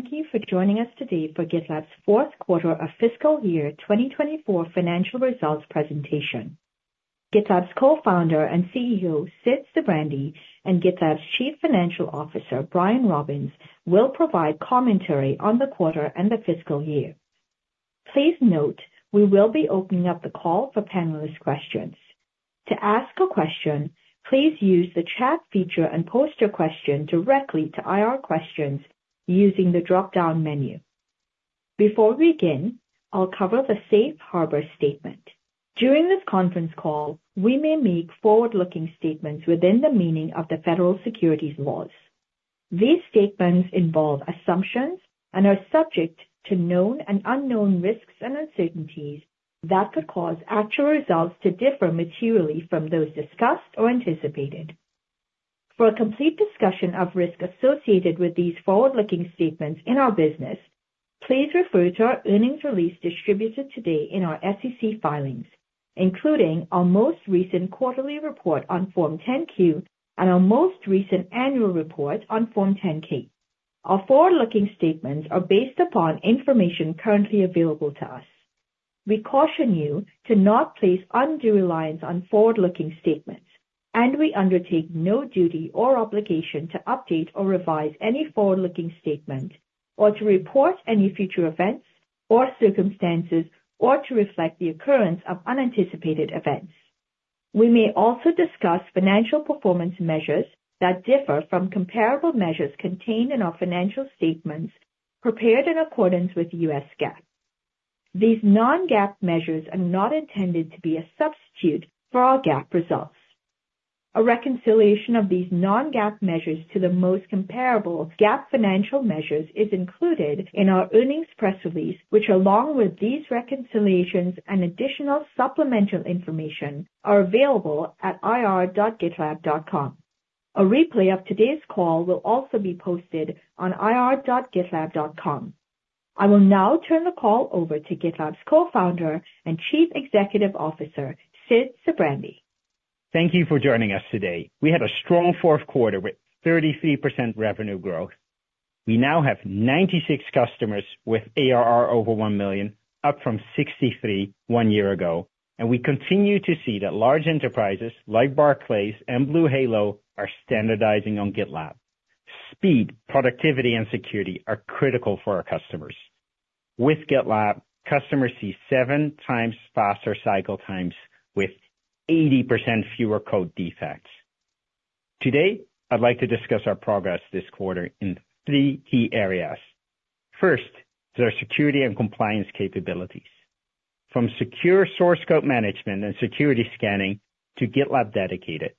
Thank you for joining us today for GitLab's fourth quarter of fiscal year 2024 financial results presentation. GitLab's Co-founder and CEO, Sid Sijbrandij, and GitLab's Chief Financial Officer, Brian Robins, will provide commentary on the quarter and the fiscal year. Please note, we will be opening up the call for panelist questions. To ask a question, please use the chat feature and post your question directly to IR Questions using the dropdown menu. Before we begin, I'll cover the safe harbor statement. During this conference call, we may make forward-looking statements within the meaning of the federal securities laws. These statements involve assumptions and are subject to known and unknown risks and uncertainties that could cause actual results to differ materially from those discussed or anticipated. For a complete discussion of risk associated with these forward-looking statements in our business, please refer to our earnings release distributed today in our SEC filings, including our most recent quarterly report on Form 10-Q and our most recent annual report on Form 10-K. Our forward-looking statements are based upon information currently available to us. We caution you to not place undue reliance on forward-looking statements, and we undertake no duty or obligation to update or revise any forward-looking statement or to report any future events or circumstances or to reflect the occurrence of unanticipated events. We may also discuss financial performance measures that differ from comparable measures contained in our financial statements prepared in accordance with U.S. GAAP. These non-GAAP measures are not intended to be a substitute for all GAAP results. A reconciliation of these non-GAAP measures to the most comparable GAAP financial measures is included in our earnings press release, which, along with these reconciliations and additional supplemental information, are available at ir.gitlab.com. A replay of today's call will also be posted on ir.gitlab.com. I will now turn the call over to GitLab's Co-founder and Chief Executive Officer, Sid Sijbrandij. Thank you for joining us today. We had a strong fourth quarter with 33% revenue growth. We now have 96 customers with ARR over $1 million, up from 63 one year ago, and we continue to see that large enterprises like Barclays and BlueHalo are standardizing on GitLab. Speed, productivity, and security are critical for our customers. With GitLab, customers see 7 times faster cycle times with 80% fewer code defects. Today, I'd like to discuss our progress this quarter in three key areas. First, there are security and compliance capabilities. From secure source code management and security scanning to GitLab Dedicated,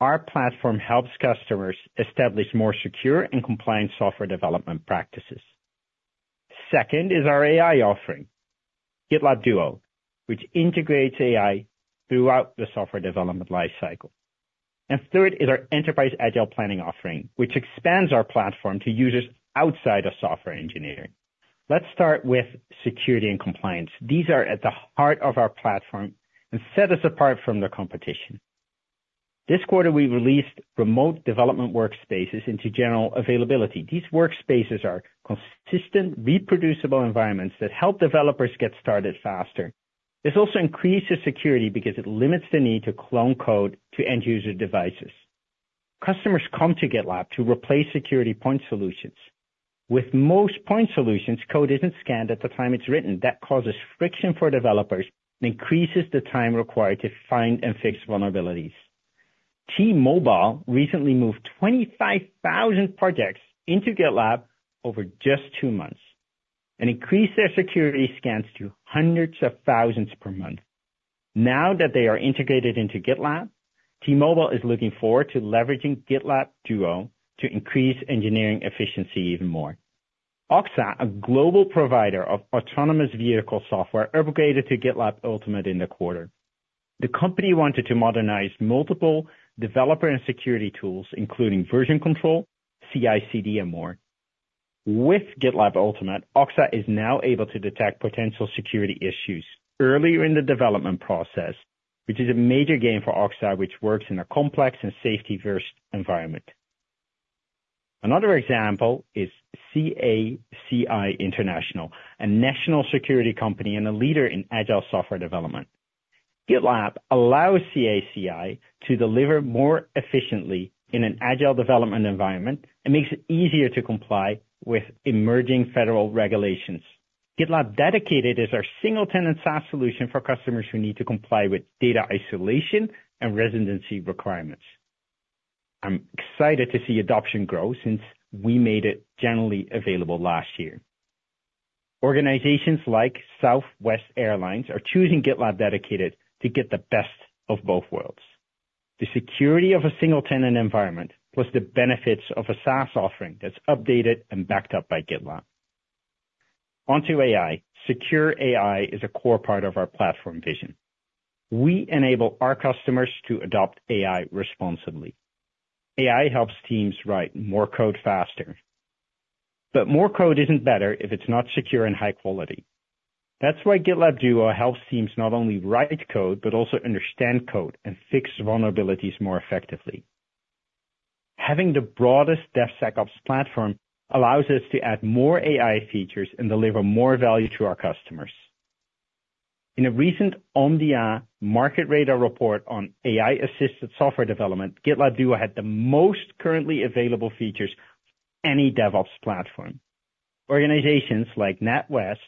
our platform helps customers establish more secure and compliant software development practices. Second is our AI offering, GitLab Duo, which integrates AI throughout the software development lifecycle. And third is our Enterprise Agile Planning offering, which expands our platform to users outside of software engineering. Let's start with security and compliance. These are at the heart of our platform and set us apart from the competition. This quarter, we released Remote Development workspaces into general availability. These workspaces are consistent, reproducible environments that help developers get started faster. This also increases security because it limits the need to clone code to end-user devices. Customers come to GitLab to replace security point solutions. With most point solutions, code isn't scanned at the time it's written. That causes friction for developers and increases the time required to find and fix vulnerabilities. T-Mobile recently moved 25,000 projects into GitLab over just two months and increased their security scans to hundreds of thousands per month. Now that they are integrated into GitLab, T-Mobile is looking forward to leveraging GitLab Duo to increase engineering efficiency even more. Oxa, a global provider of autonomous vehicle software, upgraded to GitLab Ultimate in the quarter. The company wanted to modernize multiple developer and security tools, including version control, CI/CD, and more. With GitLab Ultimate, Oxa is now able to detect potential security issues earlier in the development process, which is a major gain for Oxa, which works in a complex and safety-first environment. Another example is CACI International, a national security company and a leader in agile software development. GitLab allows CACI to deliver more efficiently in an agile development environment and makes it easier to comply with emerging federal regulations. GitLab Dedicated is our single-tenant SaaS solution for customers who need to comply with data isolation and residency requirements. I'm excited to see adoption grow since we made it generally available last year. Organizations like Southwest Airlines are choosing GitLab Dedicated to get the best of both worlds, the security of a single-tenant environment, plus the benefits of a SaaS offering that's updated and backed up by GitLab. Onto AI. Secure AI is a core part of our platform vision. We enable our customers to adopt AI responsibly. AI helps teams write more code faster, but more code isn't better if it's not secure and high quality. That's why GitLab Duo helps teams not only write code, but also understand code and fix vulnerabilities more effectively. Having the broadest DevSecOps platform allows us to add more AI features and deliver more value to our customers. In a recent Omdia Market Radar report on AI-assisted software development, GitLab Duo had the most currently available features of any DevOps platform. Organizations like NatWest,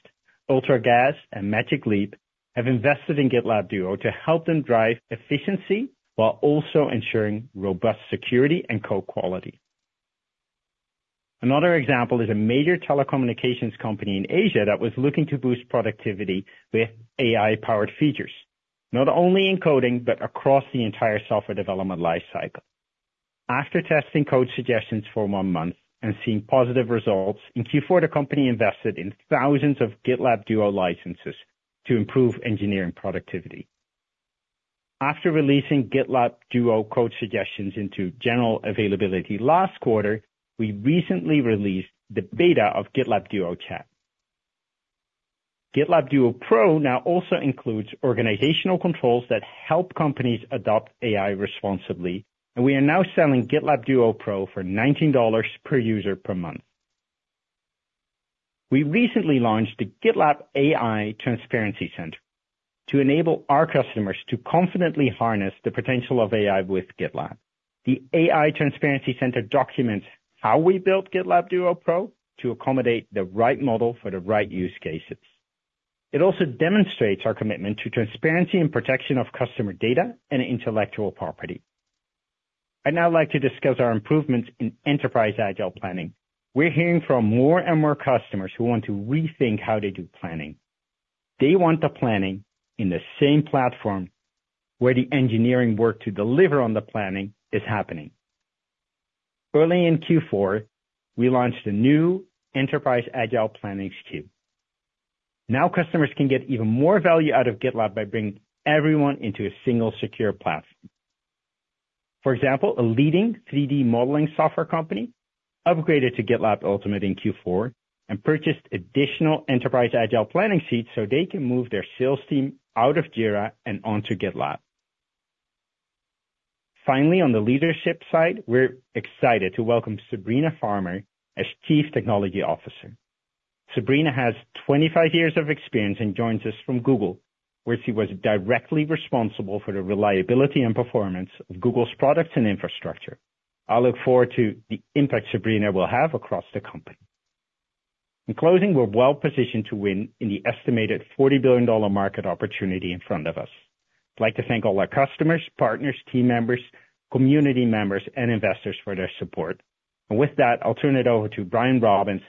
Ultragaz, and Magic Leap have invested in GitLab Duo to help them drive efficiency while also ensuring robust security and code quality. Another example is a major telecommunications company in Asia that was looking to boost productivity with AI-powered features, not only in coding, but across the entire software development lifecycle. After testing Code Suggestions for one month and seeing positive results, in Q4, the company invested in thousands of GitLab Duo licenses to improve engineering productivity. After releasing GitLab Duo Code Suggestions into general availability last quarter, we recently released the beta of GitLab Duo Chat. GitLab Duo Pro now also includes organizational controls that help companies adopt AI responsibly, and we are now selling GitLab Duo Pro for $19 per user per month. We recently launched the GitLab AI Transparency Center to enable our customers to confidently harness the potential of AI with GitLab. The AI Transparency Center documents how we built GitLab Duo Pro to accommodate the right model for the right use cases. It also demonstrates our commitment to transparency and protection of customer data and intellectual property. I'd now like to discuss our improvements in Enterprise Agile Planning. We're hearing from more and more customers who want to rethink how they do planning. They want the planning in the same platform where the engineering work to deliver on the planning is happening. Early in Q4, we launched a new Enterprise Agile Planning suite. Now customers can get even more value out of GitLab by bringing everyone into a single secure platform. For example, a leading 3D modeling software company upgraded to GitLab Ultimate in Q4 and purchased additional Enterprise Agile Planning seats so they can move their sales team out of Jira and onto GitLab. Finally, on the leadership side, we're excited to welcome Sabrina Farmer as Chief Technology Officer. Sabrina has 25 years of experience and joins us from Google, where she was directly responsible for the reliability and performance of Google's products and infrastructure. I look forward to the impact Sabrina will have across the company. In closing, we're well positioned to win in the estimated $40 billion market opportunity in front of us. I'd like to thank all our customers, partners, team members, community members, and investors for their support. And with that, I'll turn it over to Brian Robins,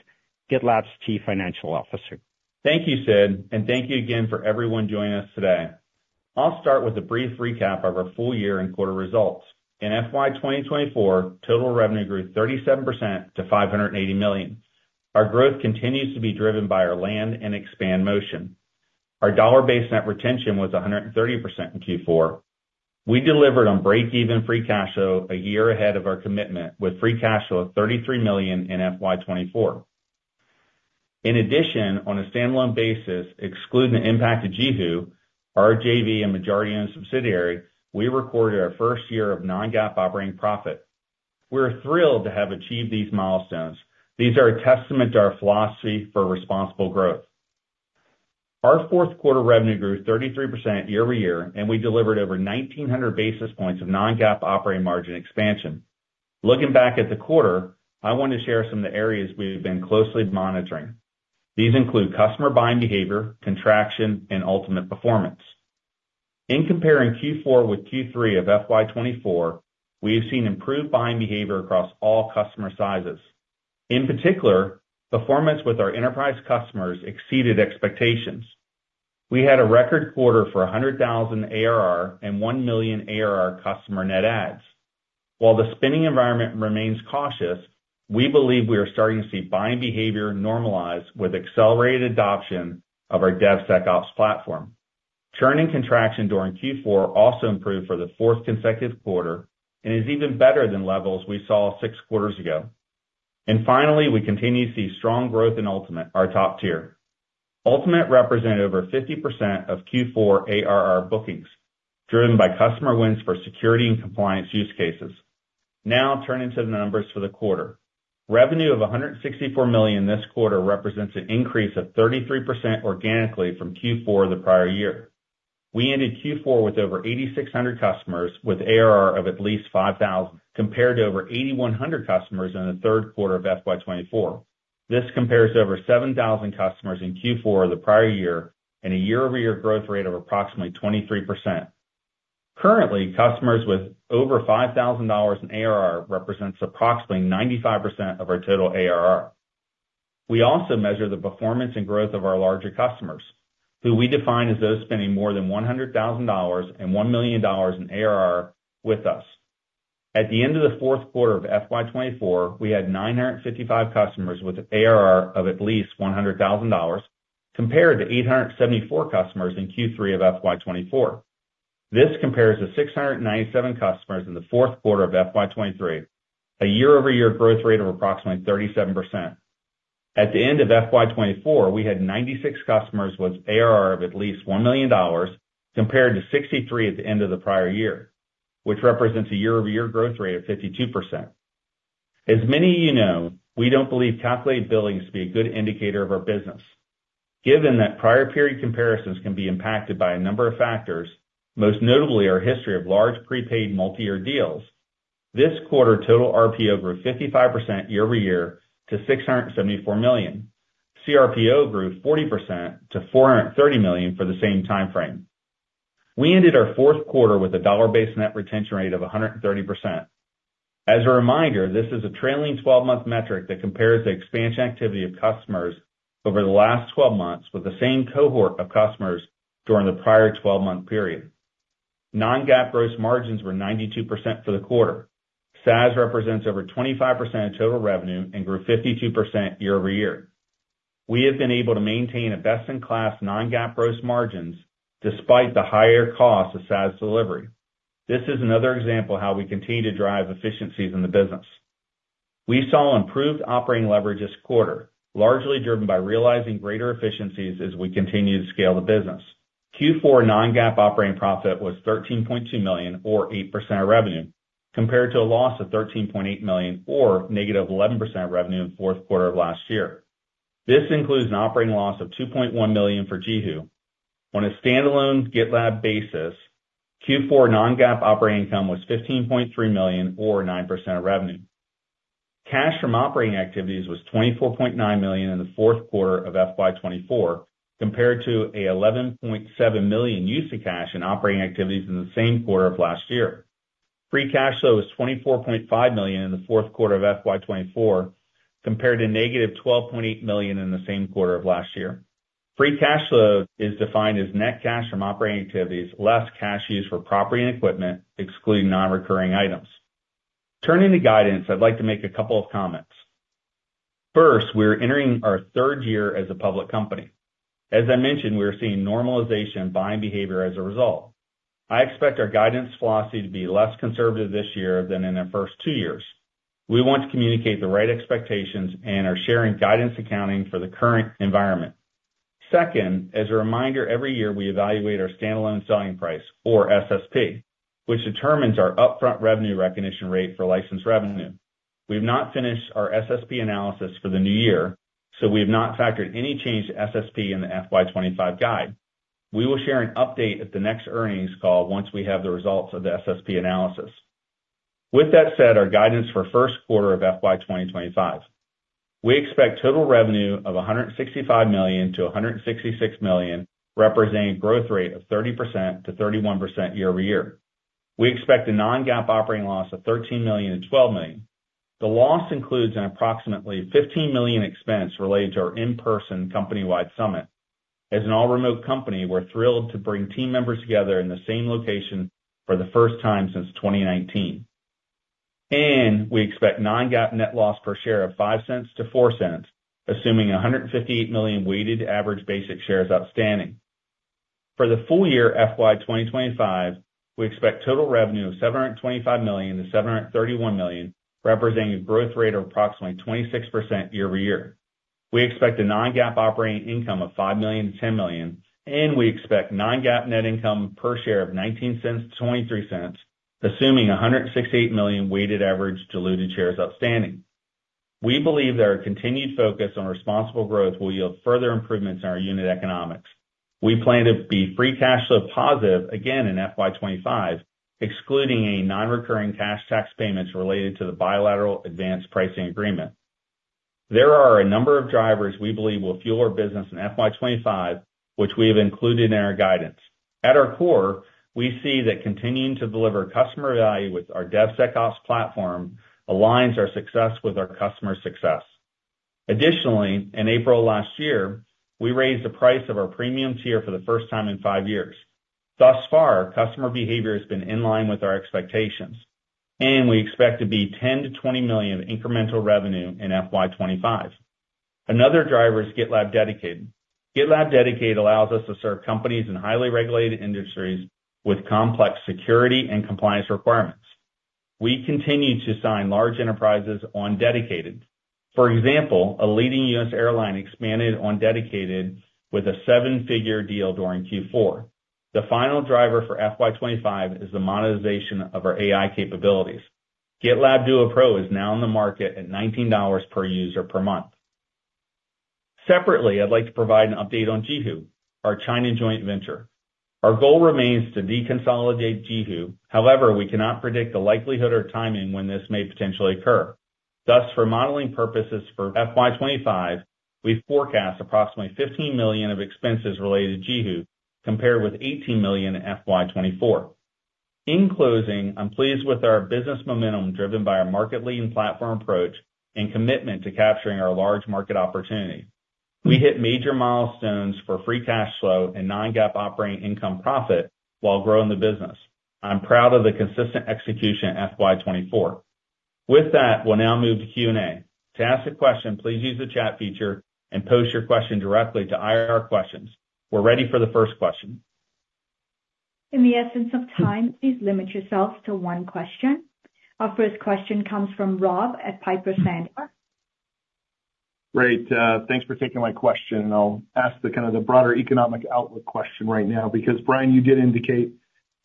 GitLab's Chief Financial Officer. Thank you, Sid, and thank you again for everyone joining us today. I'll start with a brief recap of our full year and quarter results. In FY 2024, total revenue grew 37% to $580 million. Our growth continues to be driven by our land and expand motion. Our dollar-based net retention was 130% in Q4. We delivered on break-even free cash flow a year ahead of our commitment, with free cash flow of $33 million in FY 2024. In addition, on a standalone basis, excluding the impact of JiHu, our JV and majority-owned subsidiary, we recorded our first year of non-GAAP operating profit. We're thrilled to have achieved these milestones. These are a testament to our philosophy for responsible growth. Our fourth quarter revenue grew 33% year-over-year, and we delivered over 1,900 basis points of non-GAAP operating margin expansion. Looking back at the quarter, I want to share some of the areas we've been closely monitoring. These include customer buying behavior, contraction, and Ultimate performance. In comparing Q4 with Q3 of FY 2024, we have seen improved buying behavior across all customer sizes. In particular, performance with our enterprise customers exceeded expectations. We had a record quarter for 100,000 ARR and 1 million ARR customer net adds. While the spending environment remains cautious, we believe we are starting to see buying behavior normalize with accelerated adoption of our DevSecOps platform. Churn and contraction during Q4 also improved for the fourth consecutive quarter and is even better than levels we saw 6 quarters ago. And finally, we continue to see strong growth in Ultimate, our top tier. Ultimate represented over 50% of Q4 ARR bookings, driven by customer wins for security and compliance use cases. Now turning to the numbers for the quarter. Revenue of $164 million this quarter represents an increase of 33% organically from Q4 the prior year. We ended Q4 with over 8,600 customers, with ARR of at least $5,000, compared to over 8,100 customers in the third quarter of FY 2024. This compares to over 7,000 customers in Q4 the prior year and a year-over-year growth rate of approximately 23%. Currently, customers with over $5,000 in ARR represents approximately 95% of our total ARR. We also measure the performance and growth of our larger customers, who we define as those spending more than $100,000 and $1 million in ARR with us. At the end of the fourth quarter of FY 2024, we had 955 customers with ARR of at least $100,000, compared to 874 customers in Q3 of FY 2024. This compares to 697 customers in the fourth quarter of FY 2023, a year-over-year growth rate of approximately 37%. At the end of FY 2024, we had 96 customers with ARR of at least $1 million, compared to 63 at the end of the prior year, which represents a year-over-year growth rate of 52%. As many of you know, we don't believe calculated billings to be a good indicator of our business. Given that prior period comparisons can be impacted by a number of factors, most notably our history of large prepaid multi-year deals, this quarter, total RPO grew 55% year-over-year to $674 million. CRPO grew 40% to $430 million for the same time frame. We ended our fourth quarter with a dollar-based net retention rate of 130%. As a reminder, this is a trailing twelve-month metric that compares the expansion activity of customers over the last twelve months with the same cohort of customers during the prior twelve-month period. Non-GAAP gross margins were 92% for the quarter. SaaS represents over 25% of total revenue and grew 52% year-over-year. We have been able to maintain a best-in-class non-GAAP gross margins, despite the higher cost of SaaS delivery. This is another example of how we continue to drive efficiencies in the business. We saw improved operating leverage this quarter, largely driven by realizing greater efficiencies as we continue to scale the business. Q4 non-GAAP operating profit was $13.2 million, or 8% of revenue, compared to a loss of $13.8 million, or -11% of revenue in the fourth quarter of last year. This includes an operating loss of $2.1 million for JiHu. On a standalone GitLab basis, Q4 non-GAAP operating income was $15.3 million, or 9% of revenue. Cash from operating activities was $24.9 million in the fourth quarter of FY 2024, compared to an $11.7 million use of cash in operating activities in the same quarter of last year. Free cash flow was $24.5 million in the fourth quarter of FY 2024, compared to -$12.8 million in the same quarter of last year. Free cash flow is defined as net cash from operating activities, less cash used for property and equipment, excluding non-recurring items. Turning to guidance, I'd like to make a couple of comments. First, we're entering our third year as a public company. As I mentioned, we are seeing normalization in buying behavior as a result. I expect our guidance philosophy to be less conservative this year than in the first two years. We want to communicate the right expectations and are sharing guidance accounting for the current environment. Second, as a reminder, every year, we evaluate our standalone selling price, or SSP, which determines our upfront revenue recognition rate for licensed revenue. We've not finished our SSP analysis for the new year, so we have not factored any change to SSP in the FY 2025 guide. We will share an update at the next earnings call once we have the results of the SSP analysis. With that said, our guidance for first quarter of FY 2025: We expect total revenue of $165 million-$166 million, representing growth rate of 30%-31% year-over-year. We expect a non-GAAP operating loss of $13 million-$12 million. The loss includes an approximately $15 million expense related to our in-person company-wide summit. As an all-remote company, we're thrilled to bring team members together in the same location for the first time since 2019. We expect non-GAAP net loss per share of $0.05-$0.04, assuming 158 million weighted average basic shares outstanding. For the full year, FY 2025, we expect total revenue of $725 million-$731 million, representing a growth rate of approximately 26% year-over-year. We expect a non-GAAP operating income of $5 million-$10 million, and we expect non-GAAP net income per share of $0.19-$0.23, assuming 168 million weighted average diluted shares outstanding. We believe that our continued focus on responsible growth will yield further improvements in our unit economics. We plan to be free cash flow positive again in FY 2025, excluding a non-recurring cash tax payments related to the Bilateral Advance Pricing Agreement. There are a number of drivers we believe will fuel our business in FY 2025, which we have included in our guidance. At our core, we see that continuing to deliver customer value with our DevSecOps platform aligns our success with our customer success. Additionally, in April last year, we raised the price of our Premium tier for the first time in five years. Thus far, customer behavior has been in line with our expectations, and we expect to be $10 million-$20 million of incremental revenue in FY 2025. Another driver is GitLab Dedicated. GitLab Dedicated allows us to serve companies in highly regulated industries with complex security and compliance requirements. We continue to sign large enterprises on Dedicated. For example, a leading US airline expanded on Dedicated with a seven-figure deal during Q4. The final driver for FY 2025 is the monetization of our AI capabilities. GitLab Duo Pro is now on the market at $19 per user per month. Separately, I'd like to provide an update on JiHu, our China joint venture. Our goal remains to deconsolidate JiHu. However, we cannot predict the likelihood or timing when this may potentially occur. Thus, for modeling purposes for FY 2025, we forecast approximately $15 million of expenses related to JiHu, compared with $18 million in FY 2024. In closing, I'm pleased with our business momentum, driven by our market-leading platform approach and commitment to capturing our large market opportunity. We hit major milestones for free cash flow and non-GAAP operating income profit while growing the business. I'm proud of the consistent execution of FY 2024. With that, we'll now move to Q&A. To ask a question, please use the chat feature and post your question directly to IR questions. We're ready for the first question. In the essence of time, please limit yourself to one question. Our first question comes from Rob at Piper Sandler. Great. Thanks for taking my question, and I'll ask the kind of the broader economic outlook question right now, because, Brian, you did indicate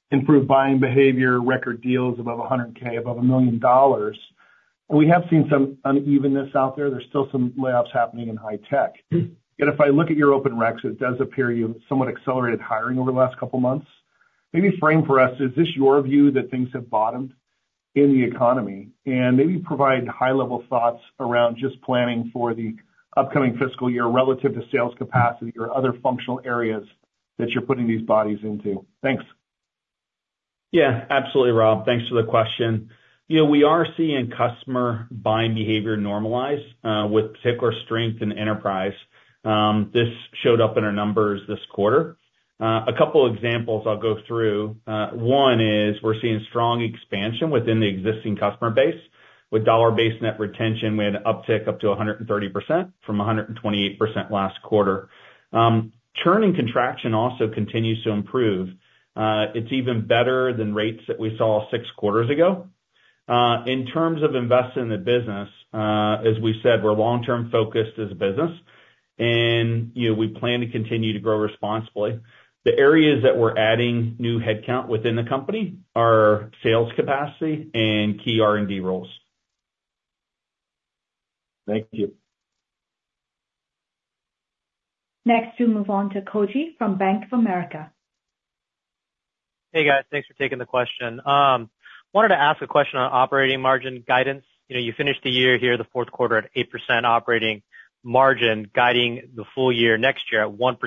improved buying behavior, record deals above $100K, above $1 million. We have seen some unevenness out there. There's still some layoffs happening in high tech. Yet if I look at your open recs, it does appear you somewhat accelerated hiring over the last couple of months. Maybe frame for us, is this your view that things have bottomed in the economy? And maybe provide high-level thoughts around just planning for the upcoming fiscal year relative to sales capacity or other functional areas that you're putting these bodies into. Thanks. Yeah, absolutely, Rob. Thanks for the question. You know, we are seeing customer buying behavior normalize, with particular strength in enterprise. This showed up in our numbers this quarter. A couple of examples I'll go through. One is we're seeing strong expansion within the existing customer base. With dollar-based net retention, we had an uptick up to 130% from 128% last quarter. Churn and contraction also continues to improve. It's even better than rates that we saw six quarters ago. In terms of investing in the business, as we said, we're long-term focused as a business, and, you know, we plan to continue to grow responsibly. The areas that we're adding new headcount within the company are sales capacity and key R&D roles. Thank you. Next, we'll move on to Koji from Bank of America. Hey, guys. Thanks for taking the question. Wanted to ask a question on operating margin guidance. You know, you finished the year here, the fourth quarter, at 8% operating margin, guiding the full year next year at 1%.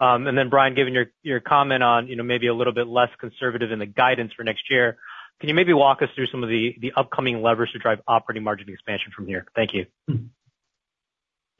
And then, Brian, given your, your comment on, you know, maybe a little bit less conservative in the guidance for next year, can you maybe walk us through some of the, the upcoming levers to drive operating margin expansion from here? Thank you.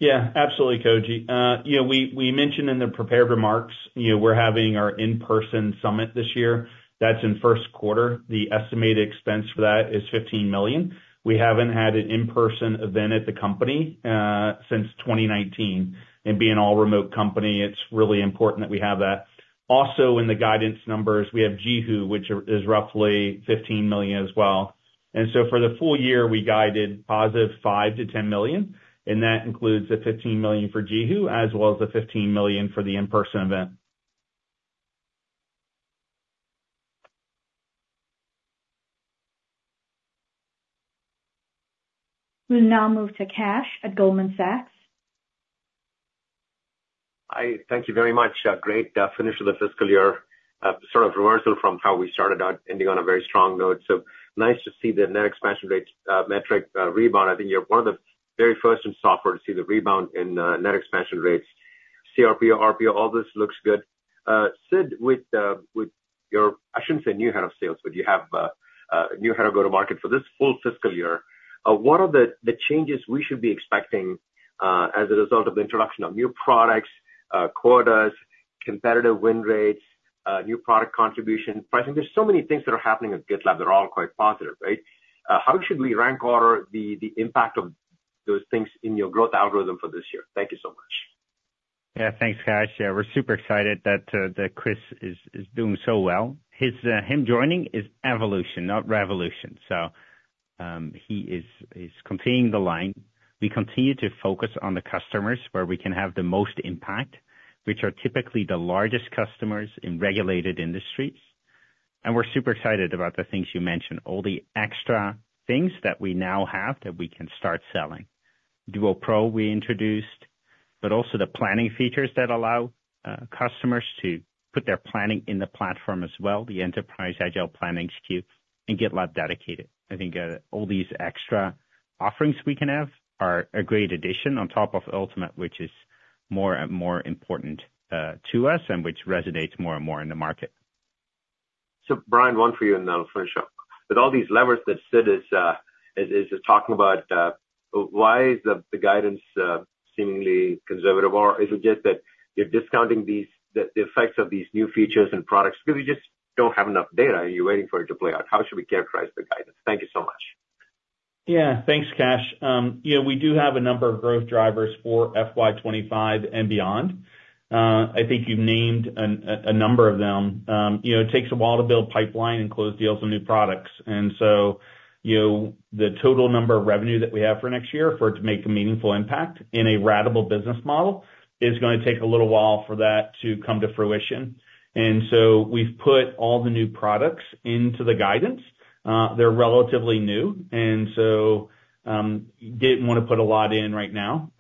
Yeah, absolutely, Koji. You know, we mentioned in the prepared remarks, you know, we're having our in-person summit this year. That's in first quarter. The estimated expense for that is $15 million. We haven't had an in-person event at the company since 2019, and being an all-remote company, it's really important that we have that. Also, in the guidance numbers, we have JiHu, which is roughly $15 million as well. And so for the full year, we guided positive $5 million-$10 million, and that includes the $15 million for JiHu, as well as the $15 million for the in-person event. We'll now move to Kash at Goldman Sachs. Hi, thank you very much. Great finish of the fiscal year. Sort of reversal from how we started out, ending on a very strong note. So nice to see the net expansion rates metric rebound. I think you're one of the very first in software to see the rebound in net expansion rates. CRPO, RPO, all this looks good. Sid, with your... I shouldn't say new head of sales, but you have a new head of go-to-market for this full fiscal year. What are the changes we should be expecting as a result of the introduction of new products, quotas, competitive win rates, new product contribution? I think there's so many things that are happening at GitLab that are all quite positive, right? How should we rank order the impact of those things in your growth algorithm for this year? Thank you so much. Yeah, thanks, Kash. We're super excited that that Chris is doing so well. His joining is evolution, not revolution. So, he is continuing the line. We continue to focus on the customers where we can have the most impact, which are typically the largest customers in regulated industries. And we're super excited about the things you mentioned, all the extra things that we now have that we can start selling. Duo Pro we introduced, but also the planning features that allow customers to put their planning in the platform as well, the Enterprise Agile Planning SKU and GitLab Dedicated. I think all these extra offerings we can have are a great addition on top of Ultimate, which is more and more important to us, and which resonates more and more in the market. So Brian, one for you, and then I'll finish up. With all these levers that Sid is talking about, why is the guidance seemingly conservative? Or is it just that you're discounting these, the effects of these new features and products because you just don't have enough data, and you're waiting for it to play out? How should we characterize the guidance? Thank you so much. Yeah. Thanks, Kash. You know, we do have a number of growth drivers for FY 2025 and beyond. I think you've named a number of them. You know, it takes a while to build pipeline and close deals on new products. And so, you know, the total number of revenue that we have for next year, for it to make a meaningful impact in a ratable business model, is gonna take a little while for that to come to fruition. And so we've put all the new products into the guidance. They're relatively new, and so, didn't want to put a lot in right now.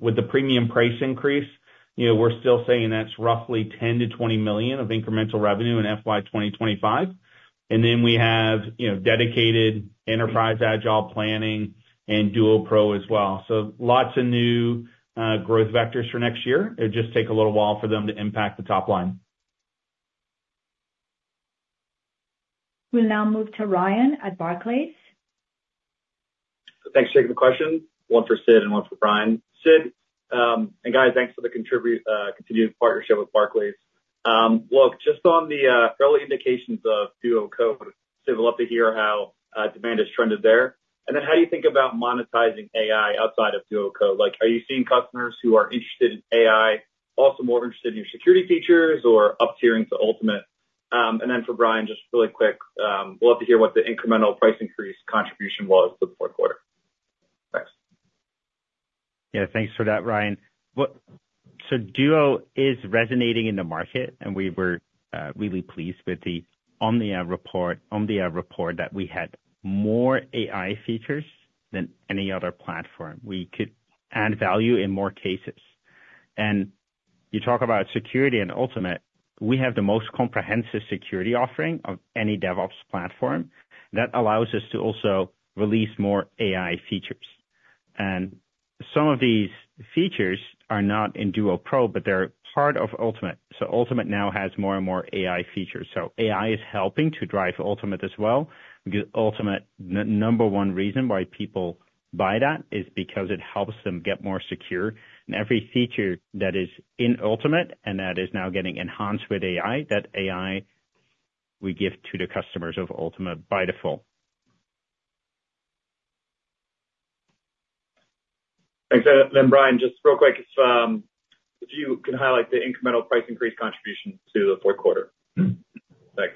With the Premium price increase, you know, we're still saying that's roughly $10 million-$20 million of incremental revenue in FY 2025. And then we have, you know, Dedicated Enterprise Agile Planning and Duo Pro as well. So lots of new, growth vectors for next year. It'll just take a little while for them to impact the top line. We'll now move to Ryan at Barclays.... Thanks for taking the question. One for Sid and one for Brian. Sid, and guys, thanks for the continued partnership with Barclays. Look, just on the early indications of Duo Code, Sid, we'd love to hear how demand has trended there. And then how do you think about monetizing AI outside of Duo Code? Like, are you seeing customers who are interested in AI also more interested in your security features or up-tiering to Ultimate? And then for Brian, just really quick, we'd love to hear what the incremental price increase contribution was for the fourth quarter. Thanks. Yeah, thanks for that, Ryan. So Duo is resonating in the market, and we were really pleased with the Omdia report that we had more AI features than any other platform. We could add value in more cases. And you talk about security and Ultimate, we have the most comprehensive security offering of any DevOps platform. That allows us to also release more AI features. And some of these features are not in Duo Pro, but they're part of Ultimate. So Ultimate now has more and more AI features. So AI is helping to drive Ultimate as well. Ultimate, number one reason why people buy that is because it helps them get more secure, and every feature that is in Ultimate, and that is now getting enhanced with AI, that AI we give to the customers of Ultimate by default. Thanks, Sid. Then, Brian, just real quick, if you can highlight the incremental price increase contribution to the fourth quarter. Mm-hmm. Thanks.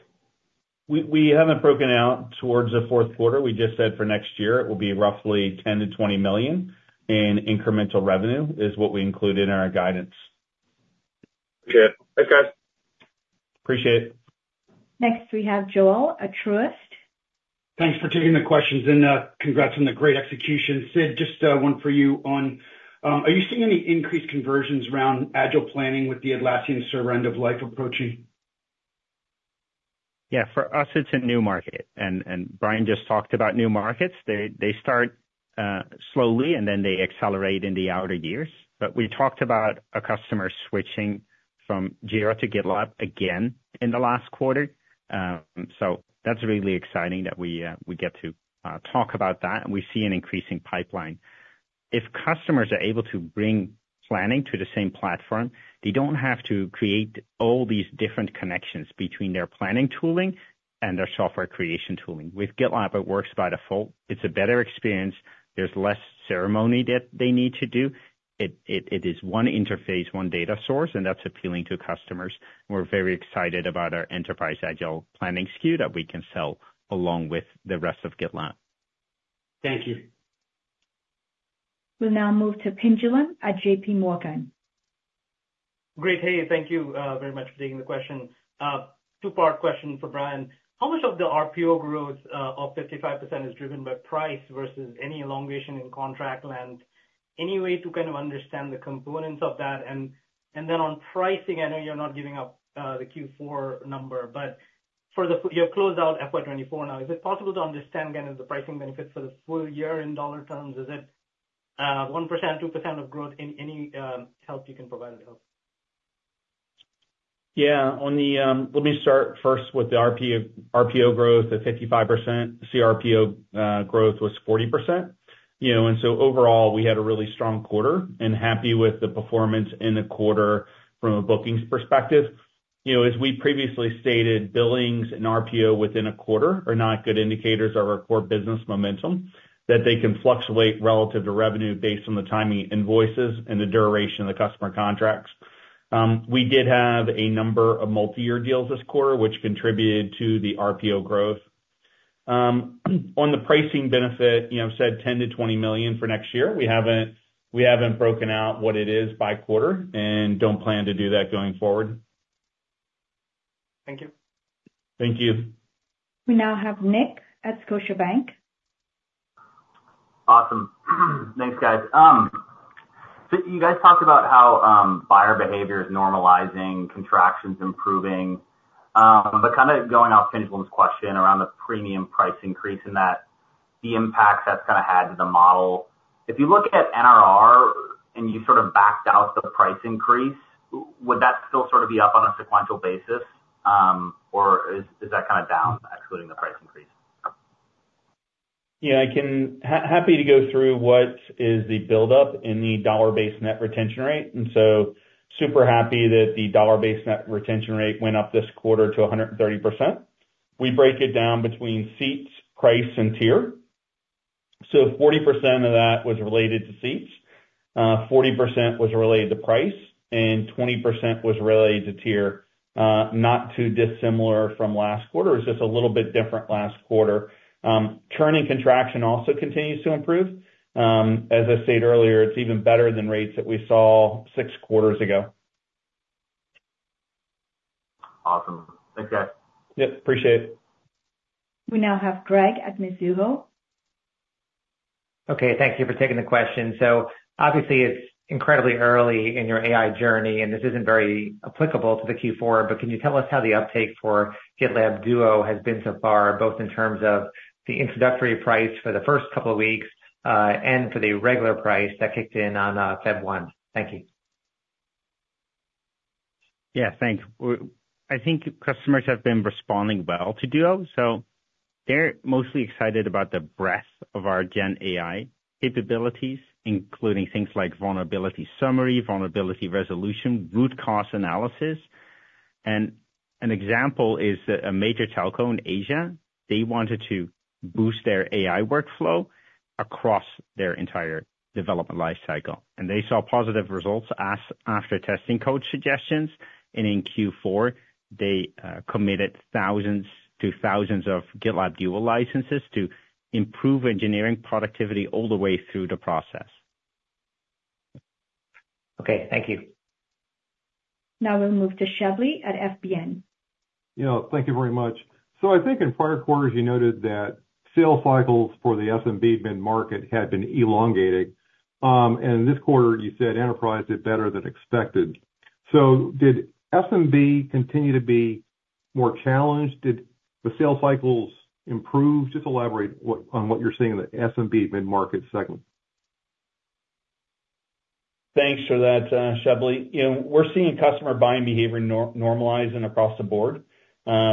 We haven't broken out toward the fourth quarter. We just said for next year, it will be roughly $10 million-$20 million in incremental revenue, is what we included in our guidance. Okay. Thanks, guys. Appreciate it. Next, we have Joel at Truist. Thanks for taking the questions, and congrats on the great execution. Sid, just one for you on, are you seeing any increased conversions around agile planning with the Atlassian server end of life approaching? Yeah, for us, it's a new market, and Brian just talked about new markets. They start slowly, and then they accelerate in the outer years. But we talked about a customer switching from Jira to GitLab again in the last quarter. So that's really exciting that we get to talk about that, and we see an increasing pipeline. If customers are able to bring planning to the same platform, they don't have to create all these different connections between their planning tooling and their software creation tooling. With GitLab, it works by default. It's a better experience. There's less ceremony that they need to do. It is one interface, one data source, and that's appealing to customers. We're very excited about our Enterprise Agile Planning SKU that we can sell along with the rest of GitLab. Thank you. We'll now move to Pinjalim at JP Morgan. Great. Hey, thank you, very much for taking the question. Two-part question for Brian. How much of the RPO growth, of 55% is driven by price versus any elongation in contract length? Any way to kind of understand the components of that? And, and then on pricing, I know you're not giving out, the Q4 number, but for your closeout FY 2024 now, is it possible to understand, again, the pricing benefit for the full year in dollar terms? Is it, one percent, two percent of growth, any, help you can provide would help. Yeah, on the... Let me start first with the RPO growth at 55%. CRPO growth was 40%, you know, and so overall, we had a really strong quarter, and happy with the performance in the quarter from a bookings perspective. You know, as we previously stated, billings and RPO within a quarter are not good indicators of our core business momentum, that they can fluctuate relative to revenue based on the timing of invoices and the duration of the customer contracts. We did have a number of multi-year deals this quarter, which contributed to the RPO growth. On the pricing benefit, you know, I've said $10 million-$20 million for next year. We haven't, we haven't broken out what it is by quarter and don't plan to do that going forward. Thank you. Thank you. We now have Nick at Scotiabank. Awesome. Thanks, guys. So you guys talked about how buyer behavior is normalizing, contraction's improving, but kind of going off Pinjalim's question around the Premium price increase and that, the impact that's kind of had to the model, if you look at NRR, and you sort of backed out the price increase, would that still sort of be up on a sequential basis, or is that kind of down, excluding the price increase? Yeah, happy to go through what is the buildup in the dollar-based net retention rate, and so super happy that the dollar-based net retention rate went up this quarter to 130%. We break it down between seats, price, and tier. So 40% of that was related to seats, 40% was related to price, and 20% was related to tier. Not too dissimilar from last quarter. It's just a little bit different last quarter. Churn and contraction also continues to improve. As I stated earlier, it's even better than rates that we saw six quarters ago. Awesome. Thanks, guys. Yep, appreciate it. We now have Gregg at Mizuho. Okay, thank you for taking the question. So obviously, it's incredibly early in your AI journey, and this isn't very applicable to the Q4, but can you tell us how the uptake for GitLab Duo has been so far, both in terms of the introductory price for the first couple of weeks, and for the regular price that kicked in on February 1? Thank you. Yeah, thanks. We're. I think customers have been responding well to Duo, so they're mostly excited about the breadth of our gen AI capabilities, including things like vulnerability summary, vulnerability resolution, root cause analysis. An example is that a major telco in Asia, they wanted to boost their AI workflow across their entire development life cycle, and they saw positive results after testing Code Suggestions, and in Q4, they committed thousands to thousands of GitLab Duo licenses to improve engineering productivity all the way through the process. Okay, thank you. Now we'll move to Shebly at FBN. You know, thank you very much. So I think in prior quarters, you noted that sales cycles for the SMB mid-market had been elongating. And this quarter you said enterprise did better than expected. So did SMB continue to be more challenged? Did the sales cycles improve? Just elaborate what, on what you're seeing in the SMB mid-market segment. Thanks for that, Shebly. You know, we're seeing customer buying behavior normalizing across the board.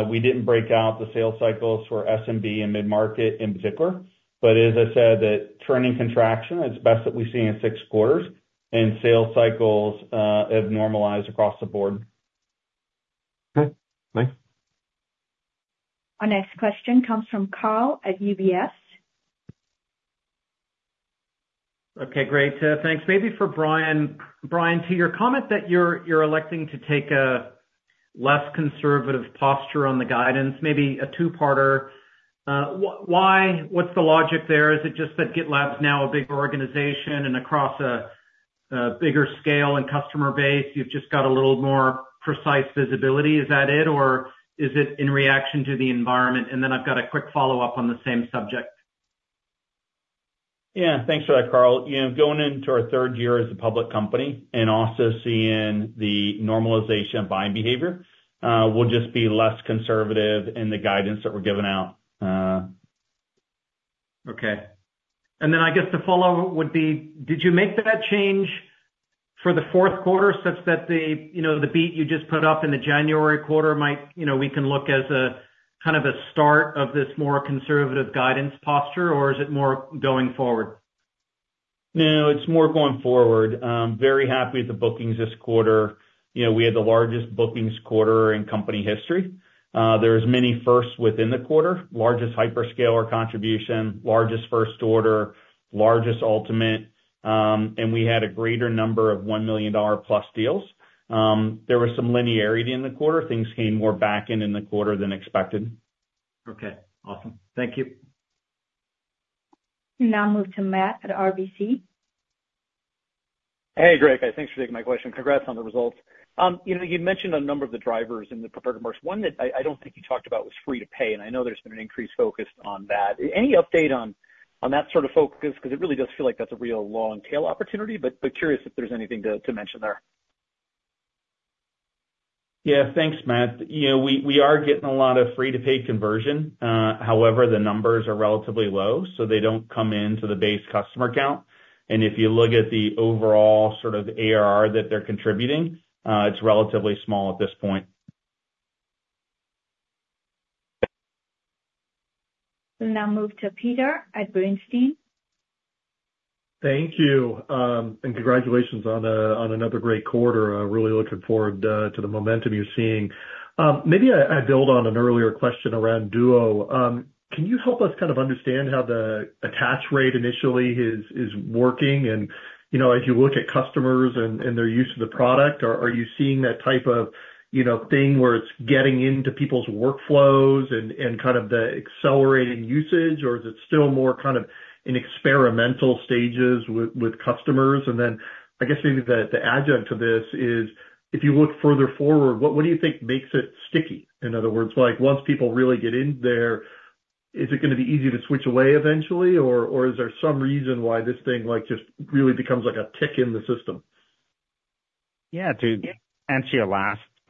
We didn't break out the sales cycles for SMB and mid-market in particular, but as I said, that turning contraction is the best that we've seen in six quarters, and sales cycles have normalized across the board. Okay, thanks. Our next question comes from Karl at UBS. Okay, great. Thanks. Maybe for Brian. Brian, to your comment that you're electing to take a less conservative posture on the guidance, maybe a two-parter. Why? What's the logic there? Is it just that GitLab's now a bigger organization and across a bigger scale and customer base, you've just got a little more precise visibility? Is that it, or is it in reaction to the environment? And then I've got a quick follow-up on the same subject. Yeah, thanks for that, Karl. You know, going into our third year as a public company and also seeing the normalization of buying behavior, we'll just be less conservative in the guidance that we're giving out. Okay. And then I guess the follow-up would be, did you make that change for the fourth quarter such that the, you know, the beat you just put up in the January quarter might, you know, we can look as a kind of a start of this more conservative guidance posture, or is it more going forward? No, it's more going forward. Very happy with the bookings this quarter. You know, we had the largest bookings quarter in company history. There's many firsts within the quarter, largest hyperscaler contribution, largest first order, largest Ultimate, and we had a greater number of $1 million-plus deals. There was some linearity in the quarter. Things came more back in the quarter than expected. Okay, awesome. Thank you. We now move to Matt at RBC. Hey,, thanks for taking my question. Congrats on the results. You know, you've mentioned a number of the drivers in the prepared remarks. One that I don't think you talked about was free-to-paid, and I know there's been an increased focus on that. Any update on that sort of focus? Because it really does feel like that's a real long tail opportunity, but curious if there's anything to mention there. Yeah, thanks, Matt. You know, we, we are getting a lot of free-to-paid conversion. However, the numbers are relatively low, so they don't come into the base customer count. And if you look at the overall sort of ARR that they're contributing, it's relatively small at this point. We'll now move to Peter at Bernstein. Thank you, and congratulations on, on another great quarter. I'm really looking forward to the momentum you're seeing. Maybe I build on an earlier question around Duo. Can you help us kind of understand how the attach rate initially is working? And, you know, as you look at customers and their use of the product, are you seeing that type of, you know, thing where it's getting into people's workflows and kind of the accelerating usage? Or is it still more kind of in experimental stages with customers? And then I guess maybe the adjunct to this is, if you look further forward, what do you think makes it sticky? In other words, like, once people really get in there, is it gonna be easy to switch away eventually? Or is there some reason why this thing, like, just really becomes like a tick in the system? Yeah. To answer your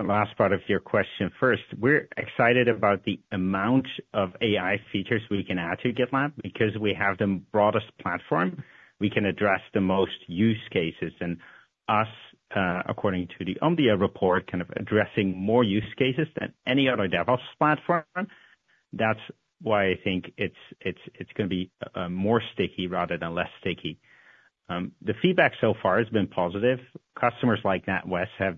last part of your question first, we're excited about the amount of AI features we can add to GitLab. Because we have the broadest platform, we can address the most use cases, and according to the Omdia report, kind of addressing more use cases than any other DevOps platform, that's why I think it's gonna be more sticky rather than less sticky. The feedback so far has been positive. Customers like NatWest have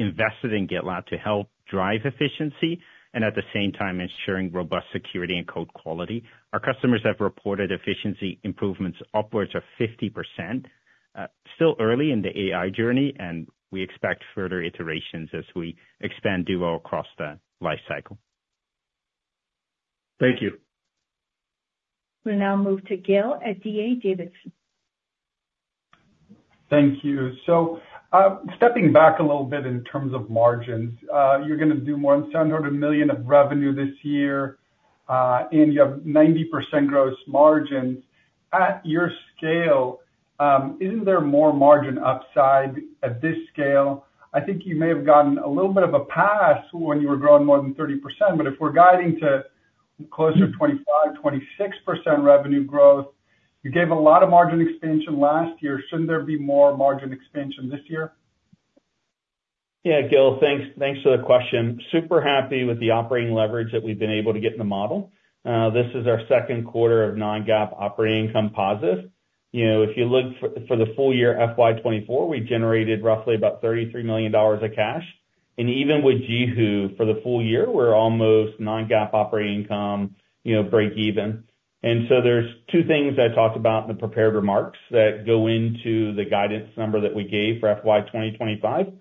invested in GitLab to help drive efficiency and, at the same time, ensuring robust security and code quality. Our customers have reported efficiency improvements upwards of 50%. Still early in the AI journey, and we expect further iterations as we expand Duo across the life cycle. Thank you. We'll now move to Gil at DA Davidson. Thank you. So, stepping back a little bit in terms of margins, you're gonna do more than $700 million of revenue this year, and you have 90% gross margins. At your scale, isn't there more margin upside at this scale? I think you may have gotten a little bit of a pass when you were growing more than 30%, but if we're guiding to closer to 25%-26% revenue growth... You gave a lot of margin expansion last year. Shouldn't there be more margin expansion this year? Yeah, Gil, thanks, thanks for the question. Super happy with the operating leverage that we've been able to get in the model. This is our second quarter of non-GAAP operating income positive. You know, if you look for the full year, FY 2024, we generated roughly about $33 million of cash. And even with JiHu, for the full year, we're almost non-GAAP operating income, you know, breakeven. And so there's two things I talked about in the prepared remarks that go into the guidance number that we gave for FY 2025.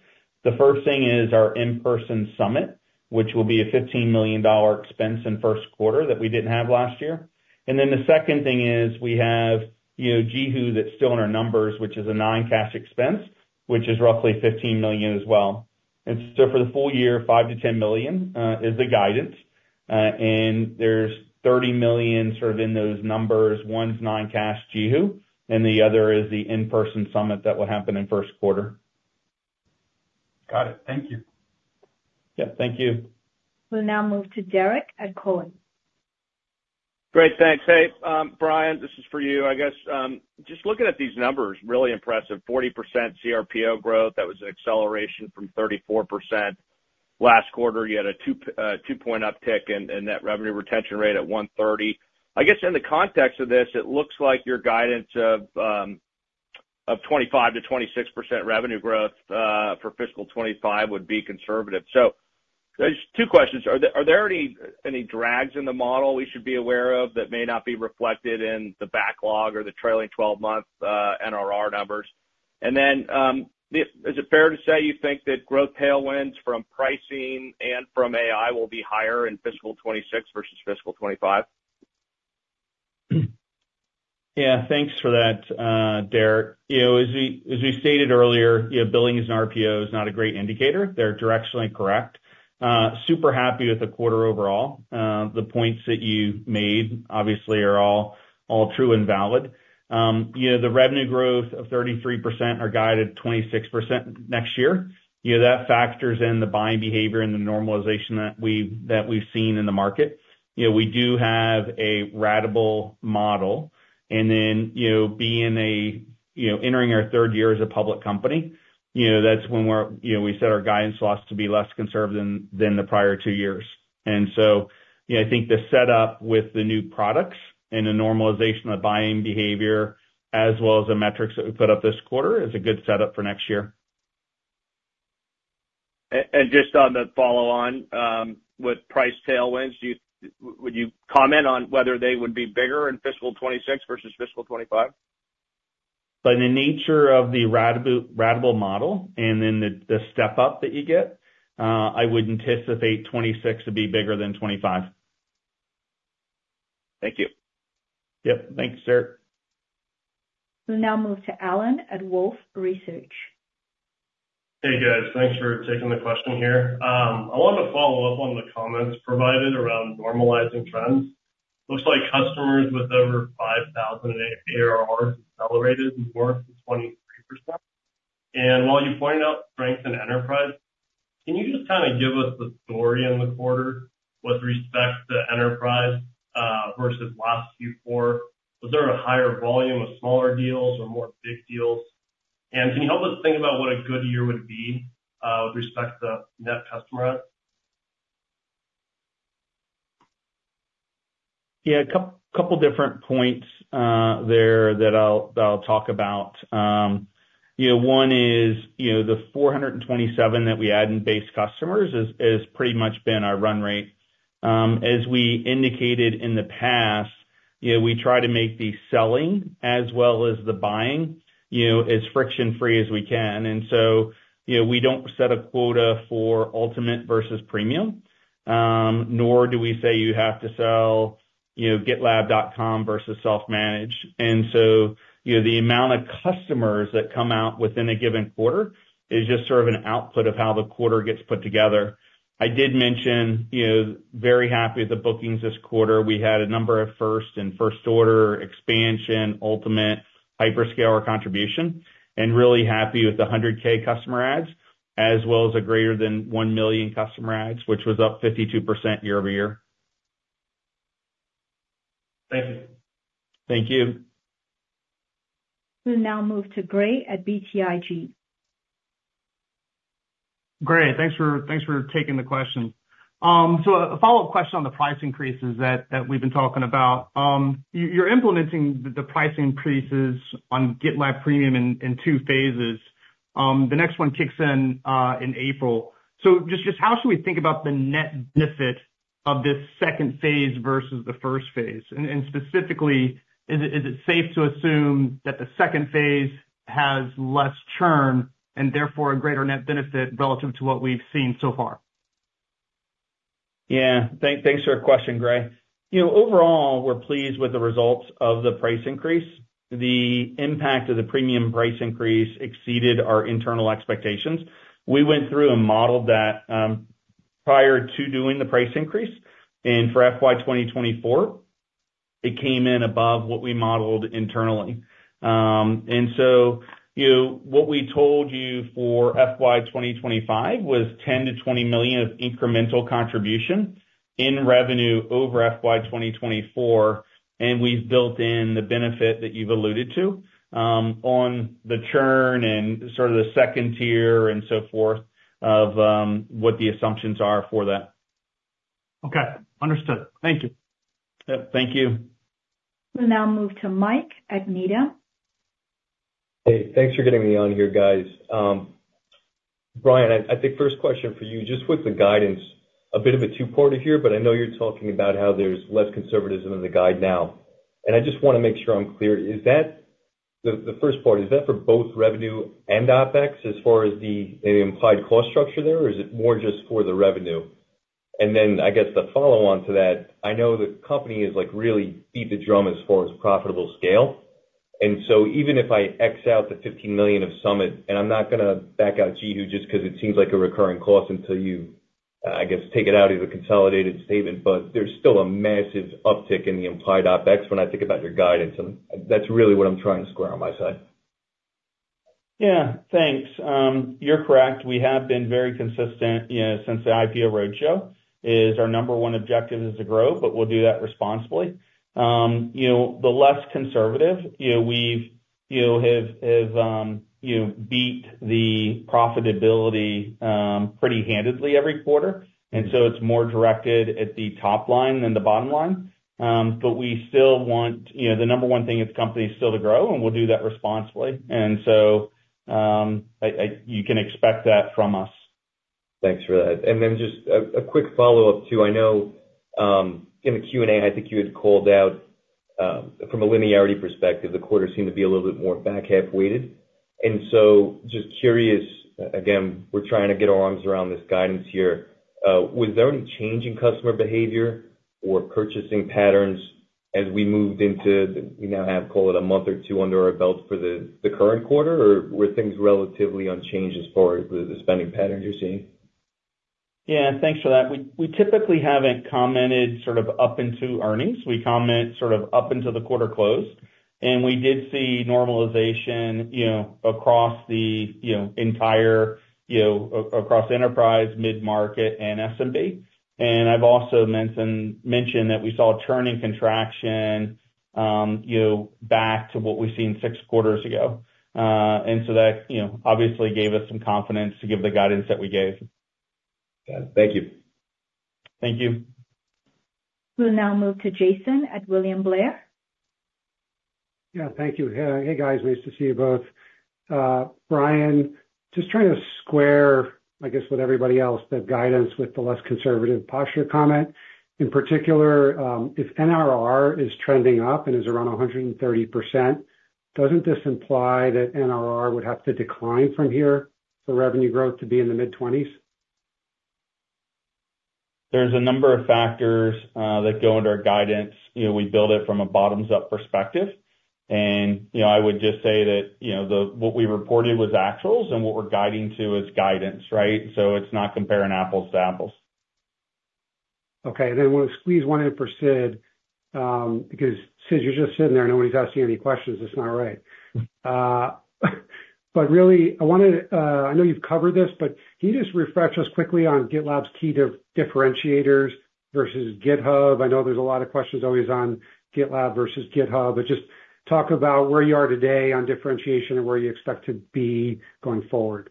The first thing is our in-person summit, which will be a $15 million expense in first quarter that we didn't have last year. And then the second thing is, we have, you know, JiHu that's still in our numbers, which is a non-cash expense, which is roughly $15 million as well. So for the full year, $5 million-$10 million is the guidance. And there's $30 million sort of in those numbers. One's non-cash JiHu, and the other is the in-person summit that will happen in first quarter. Got it. Thank you. Yeah, thank you. We'll now move to Derrick at Cowen. Great. Thanks. Hey, Brian, this is for you. I guess, just looking at these numbers, really impressive, 40% CRPO growth. That was an acceleration from 34%. Last quarter, you had a 2-point uptick in net revenue retention rate at 130. I guess in the context of this, it looks like your guidance of 25%-26% revenue growth for fiscal 2025 would be conservative. So just two questions. Are there any drags in the model we should be aware of that may not be reflected in the backlog or the trailing twelve-month NRR numbers? And then, is it fair to say you think that growth tailwinds from pricing and from AI will be higher in fiscal 2026 versus fiscal 2025? Yeah, thanks for that, Derrick. You know, as we stated earlier, you know, billings and RPO is not a great indicator. They're directionally correct. Super happy with the quarter overall. The points that you made, obviously, are all true and valid. You know, the revenue growth of 33% are guided 26% next year. You know, that factors in the buying behavior and the normalization that we've seen in the market. You know, we do have a ratable model, and then, you know, being, you know, entering our third year as a public company, you know, that's when we're, you know, we set our guidance slots to be less conservative than the prior two years. You know, I think the setup with the new products and the normalization of buying behavior, as well as the metrics that we put up this quarter, is a good setup for next year. Just on the follow-on, with price tailwinds, would you comment on whether they would be bigger in fiscal 2026 versus fiscal 2025? By the nature of the ratable model and then the step up that you get, I would anticipate 2026 to be bigger than 2025. Thank you. Yep. Thank you, sir. We'll now move to Allan at Wolfe Research. Hey, guys. Thanks for taking the question here. I wanted to follow up on the comments provided around normalizing trends. Looks like customers with over 5,000 ARR accelerated more than 23%. And while you pointed out strength in enterprise, can you just kind of give us the story in the quarter with respect to enterprise versus last Q4? Was there a higher volume of smaller deals or more big deals? And can you help us think about what a good year would be with respect to net customer add? Yeah, a couple different points there that I'll talk about. You know, one is, you know, the 427 that we had in base customers is pretty much been our run rate. As we indicated in the past, you know, we try to make the selling as well as the buying, you know, as friction-free as we can. And so, you know, we don't set a quota for Ultimate versus Premium, nor do we say you have to sell, you know, GitLab.com versus self-managed. And so, you know, the amount of customers that come out within a given quarter is just sort of an output of how the quarter gets put together. I did mention, you know, very happy with the bookings this quarter. We had a number of first and first-order expansion, Ultimate hyperscaler contribution, and really happy with the 100K customer adds, as well as a greater than 1 million customer adds, which was up 52% year-over-year. Thank you. Thank you. We'll now move to Gray at BTIG. Great. Thanks for taking the question. So a follow-up question on the price increases that we've been talking about. You're implementing the price increases on GitLab Premium in two phases. The next one kicks in in April. So just how should we think about the net benefit of this second phase versus the first phase? And specifically, is it safe to assume that the second phase has less churn and therefore a greater net benefit relative to what we've seen so far? Yeah. Thanks for your question, Gray. You know, overall, we're pleased with the results of the price increase. The impact of the Premium price increase exceeded our internal expectations. We went through and modeled that prior to doing the price increase, and for FY 2024, it came in above what we modeled internally. And so, you know, what we told you for FY 2025 was $10 million-$20 million of incremental contribution in revenue over FY 2024, and we've built in the benefit that you've alluded to on the churn and sort of the second tier and so forth, of what the assumptions are for that. Okay, understood. Thank you. Yep, thank you. We'll now move to Mike at Needham. Hey, thanks for getting me on here, guys. Brian, I think first question for you, just with the guidance, a bit of a two-parter here, but I know you're talking about how there's less conservatism in the guide now. And I just wanna make sure I'm clear, is that the first part, is that for both revenue and OpEx as far as the implied cost structure there, or is it more just for the revenue? And then, I guess, the follow-on to that, I know the company has, like, really beat the drum as far as profitable scale. So even if I X out the $15 million of Summit, and I'm not gonna back out JiHu just 'cause it seems like a recurring cost until you, I guess, take it out of the consolidated statement, but there's still a massive uptick in the implied OpEx when I think about your guidance, and that's really what I'm trying to square on my side. Yeah, thanks. You're correct. We have been very consistent, you know, since the IPO roadshow, our number one objective is to grow, but we'll do that responsibly. You know, the less conservative, you know, we've, you know, have beat the profitability pretty handedly every quarter. And so it's more directed at the top line than the bottom line. But we still want—you know, the number one thing is the company is still to grow, and we'll do that responsibly. And so, I—you can expect that from us. Thanks for that. And then just a quick follow-up, too. I know, in the Q&A, I think you had called out, from a linearity perspective, the quarter seemed to be a little bit more back-half weighted. And so, just curious, again, we're trying to get our arms around this guidance here. Was there any change in customer behavior or purchasing patterns as we moved into the, we now have, call it, a month or two under our belt for the current quarter? Or were things relatively unchanged as far as the spending pattern you're seeing? Yeah, thanks for that. We typically haven't commented sort of up into earnings. We comment sort of up until the quarter close. We did see normalization, you know, across the entire, you know, across enterprise, mid-market, and SMB. I've also mentioned that we saw a churn and contraction, you know, back to what we've seen six quarters ago. So that, you know, obviously gave us some confidence to give the guidance that we gave. Got it. Thank you. Thank you. We'll now move to Jason at William Blair. Yeah. Thank you. Hey, guys, nice to see you both. Brian, just trying to square, I guess, with everybody else, the guidance with the less conservative posture comment. In particular, if NRR is trending up and is around 130%, doesn't this imply that NRR would have to decline from here for revenue growth to be in the mid-20s%? There's a number of factors that go into our guidance. You know, we build it from a bottoms-up perspective. And, you know, I would just say that, you know, what we reported was actuals, and what we're guiding to is guidance, right? So it's not comparing apples to apples. Okay. Then I wanna squeeze one in for Sid, because, Sid, you're just sitting there, and nobody's asking any questions. It's not right. But really I wanted to—I know you've covered this, but can you just refresh us quickly on GitLab's key differentiators versus GitHub? I know there's a lot of questions always on GitLab versus GitHub, but just talk about where you are today on differentiation and where you expect to be going forward.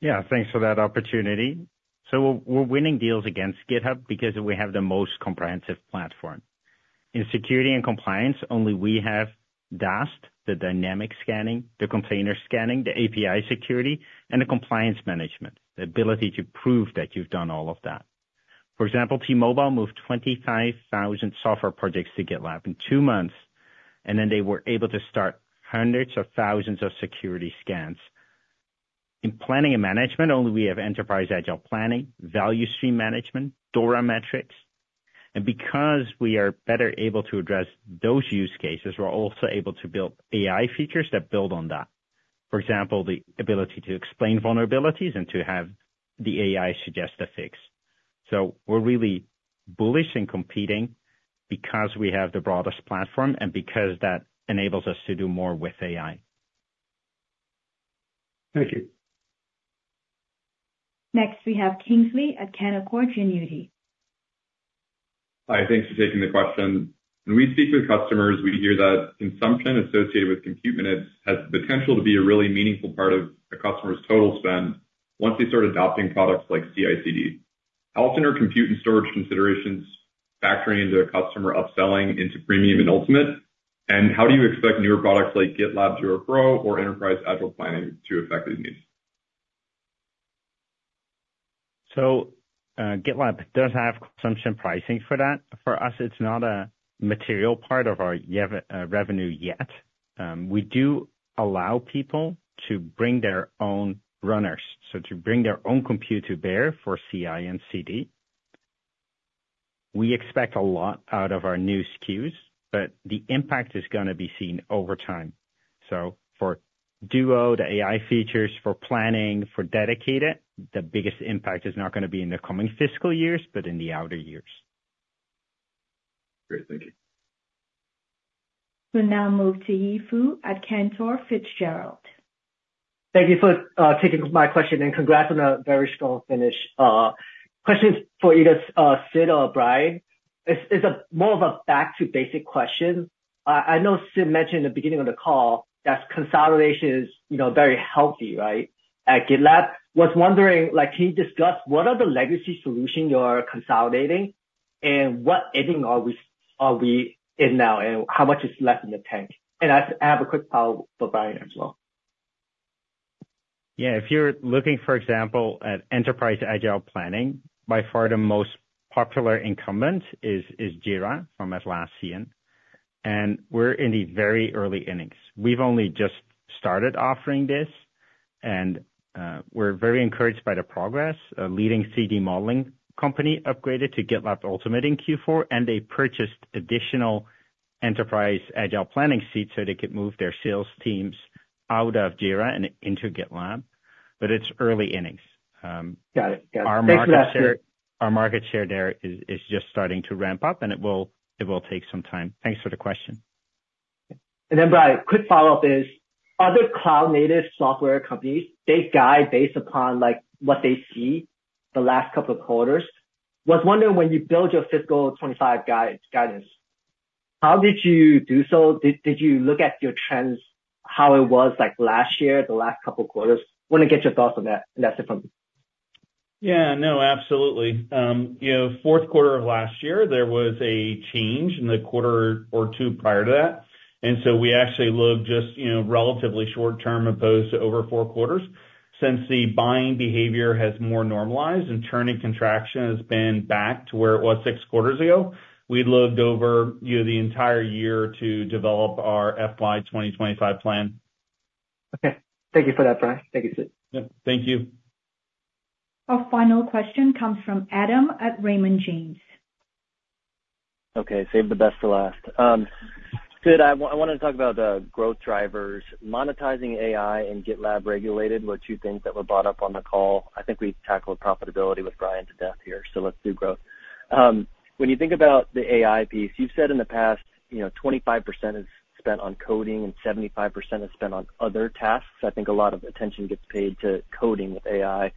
Yeah, thanks for that opportunity. So we're, we're winning deals against GitHub because we have the most comprehensive platform. In security and compliance, only we have DAST, the dynamic scanning, the container scanning, the API security, and the compliance management, the ability to prove that you've done all of that. For example, T-Mobile moved 25,000 software projects to GitLab in two months, and then they were able to start hundreds of thousands of security scans. In planning and management, only we have Enterprise Agile Planning, Value Stream Management, DORA metrics. And because we are better able to address those use cases, we're also able to build AI features that build on that. For example, the ability to explain vulnerabilities and to have the AI suggest a fix. So we're really bullish in competing because we have the broadest platform and because that enables us to do more with AI. Thank you. Next, we have Kingsley at Canaccord Genuity. Hi, thanks for taking the question. When we speak with customers, we hear that consumption associated with compute minutes has the potential to be a really meaningful part of a customer's total spend once they start adopting products like CI/CD. How often are compute and storage considerations factoring into a customer upselling into Premium and Ultimate? And how do you expect newer products like GitLab Duo Pro or Enterprise Agile Planning to affect these needs? So, GitLab does have consumption pricing for that. For us, it's not a material part of our yearly revenue yet. We do allow people to bring their own runners, so to bring their own compute to bear for CI and CD. We expect a lot out of our new SKUs, but the impact is gonna be seen over time. So for Duo, the AI features, for planning, for Dedicated, the biggest impact is not gonna be in the coming fiscal years, but in the outer years. Great. Thank you.... We'll now move to Yi Fu at Cantor Fitzgerald. Thank you for taking my question, and congrats on a very strong finish. Question is for either Sid or Brian. It's a more of a back to basic question. I know Sid mentioned in the beginning of the call that consolidation is, you know, very healthy, right, at GitLab. Was wondering, like, can you discuss what are the legacy solution you are consolidating, and what inning are we, are we in now, and how much is left in the tank? And I have a quick follow for Brian as well. Yeah, if you're looking, for example, at Enterprise Agile Planning, by far the most popular incumbent is Jira from Atlassian, and we're in the very early innings. We've only just started offering this, and we're very encouraged by the progress. A leading 3D modeling company upgraded to GitLab Ultimate in Q4, and they purchased additional Enterprise Agile Planning seats so they could move their sales teams out of Jira and into GitLab, but it's early innings. Got it. Got it. Our market share there is just starting to ramp up, and it will take some time. Thanks for the question. And then, Brian, quick follow-up is, other cloud-native software companies, they guide based upon, like, what they see the last couple of quarters. Was wondering, when you build your fiscal 2025 guidance, how did you do so? Did you look at your trends, how it was like last year, the last couple of quarters? Want to get your thoughts on that, and that's it from me. Yeah, no, absolutely. You know, fourth quarter of last year, there was a change in the quarter or two prior to that, and so we actually looked just, you know, relatively short term as opposed to over four quarters. Since the buying behavior has more normalized and net retention contraction has been back to where it was six quarters ago, we looked over, you know, the entire year to develop our FY 2025 plan. Okay. Thank you for that, Brian. Thank you, Sid. Yeah, thank you. Our final question comes from Adam at Raymond James. Okay, saved the best to last. Sid, I wanna talk about the growth drivers, monetizing AI and GitLab Dedicated were two things that were brought up on the call. I think we tackled profitability with Brian to death here, so let's do growth. When you think about the AI piece, you've said in the past, you know, 25% is spent on coding and 75% is spent on other tasks. I think a lot of attention gets paid to coding with AI.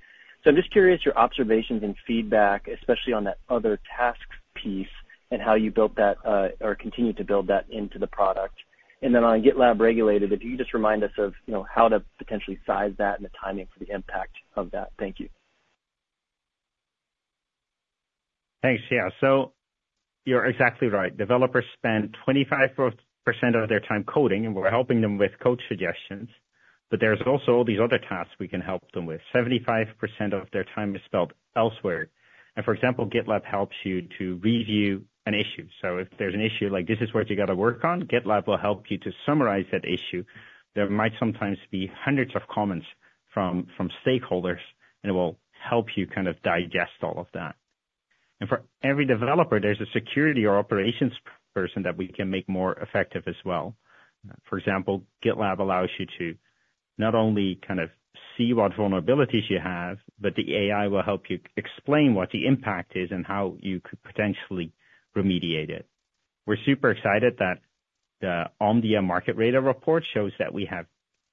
So I'm just curious your observations and feedback, especially on that other tasks piece, and how you built that or continue to build that into the product. And then on GitLab Dedicated, if you could just remind us of, you know, how to potentially size that and the timing for the impact of that. Thank you. Thanks. Yeah, so you're exactly right. Developers spend 25% of their time coding, and we're helping them with Code Suggestions, but there's also all these other tasks we can help them with. 75% of their time is spent elsewhere. For example, GitLab helps you to review an issue. So if there's an issue like this is what you got to work on, GitLab will help you to summarize that issue. There might sometimes be hundreds of comments from stakeholders, and it will help you kind of digest all of that. For every developer, there's a security or operations person that we can make more effective as well. For example, GitLab allows you to not only kind of see what vulnerabilities you have, but the AI will help you explain what the impact is and how you could potentially remediate it. We're super excited that the Omdia Market Radar report shows that we have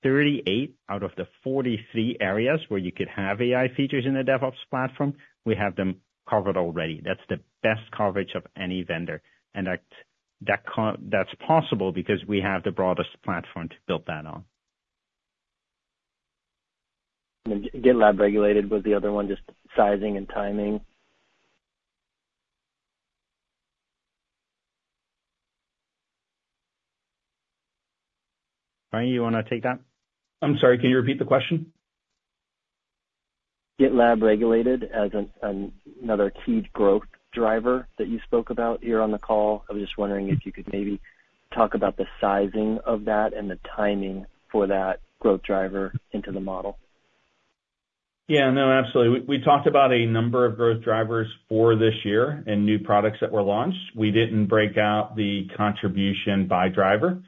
38 out of the 43 areas, where you could have AI features in the DevOps platform, we have them covered already. That's the best coverage of any vendor, and that's possible because we have the broadest platform to build that on. GitLab Dedicated was the other one, just sizing and timing. Brian, you wanna take that? I'm sorry, can you repeat the question? GitLab Dedicated as another key growth driver that you spoke about here on the call. I was just wondering if you could maybe talk about the sizing of that and the timing for that growth driver into the model. Yeah, no, absolutely. We talked about a number of growth drivers for this year and new products that were launched. We didn't break out the contribution by driver.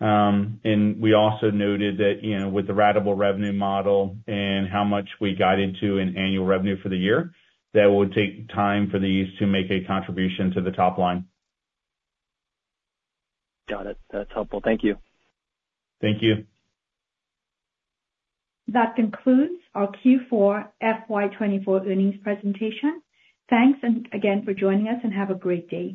And we also noted that, you know, with the ratable revenue model and how much we got into in annual revenue for the year, that it would take time for these to make a contribution to the top line. Got it. That's helpful. Thank you. Thank you. That concludes our Q4 FY 2024 earnings presentation. Thanks and again for joining us, and have a great day.